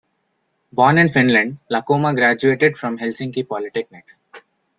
Born in Finland, Lakomaa graduated from Helsinki Polytechnics.